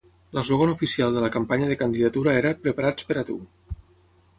L"eslògan oficial de la campanya de candidatura era "Preparats per a tu".